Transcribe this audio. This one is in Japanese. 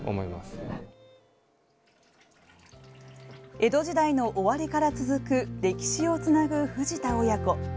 江戸時代の終わりから続く歴史をつなぐ藤田親子。